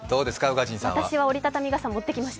私は折り畳み傘を持ってきました。